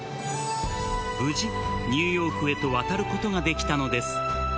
無事、ニューヨークへと渡ることができたのです。